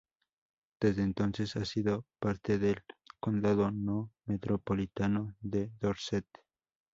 Desde entonces, ha sido parte del condado no metropolitano de Dorset.